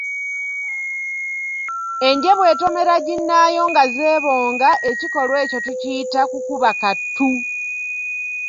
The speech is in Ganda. Enje bw’etomera ginnaayo nga zeebonga, ekikolwa ekyo tukiyita kukuba kattu.